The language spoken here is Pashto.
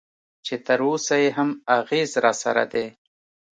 چې تراوسه یې هم اغېز راسره دی.